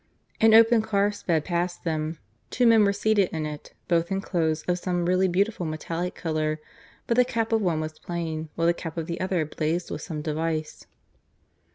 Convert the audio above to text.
An open car sped past them. Two men were seated in it; both in clothes of some really beautiful metallic colour; but the cap of one was plain, while the cap of the other blazed with some device.